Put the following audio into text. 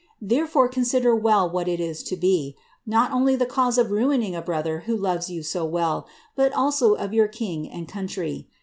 Therefore, consider well what it is to be, not only the cause of ruining a brother who loves you so well, but also of your king tad country.